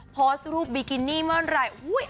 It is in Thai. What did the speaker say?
โพสต์รูปบิกินี่เมื่อไหร่